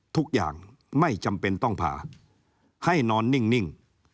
ทุกอย่างไม่จำเป็นต้องผ่าให้นอนนิ่ง